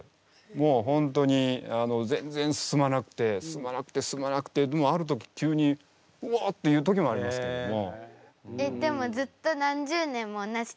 もうホントに全然進まなくて進まなくて進まなくてでもある時急に「うお！」っていう時もありますけども。